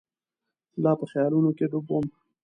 لا په خیالونو کې ډوب وم.